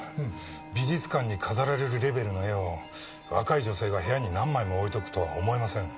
美術館に飾られるレベルの絵を若い女性が部屋に何枚も置いておくとは思えません。